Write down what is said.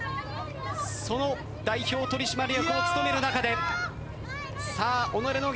その代表取締役を務める中でさあ己の限界